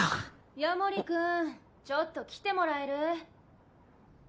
・夜守君ちょっと来てもらえる？